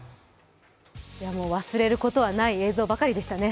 忘れることはない映像ばかりでしたね。